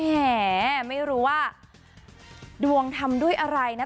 แหมไม่รู้ว่าดวงทำด้วยอะไรนะ